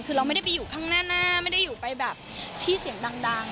คือเราไม่ได้ไปอยู่ข้างหน้าไม่ได้อยู่ไปแบบที่เสียงดัง